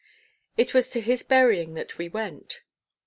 It was to his burying that we went.